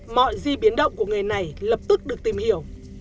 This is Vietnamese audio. mọi gì biến động của người này lập tức được tìm hiểu